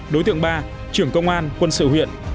đối tượng ba trưởng công an quân sự huyện